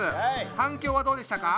反響はどうでしたか？